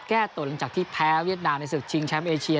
แก้ตัวลงจากที่แพ้เวียดนามในศิษย์ชิงแชมป์เอเชีย